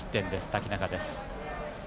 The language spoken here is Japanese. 瀧中です。